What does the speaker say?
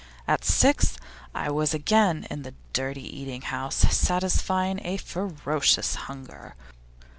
At six I was again in the dirty eating house, satisfying a ferocious hunger.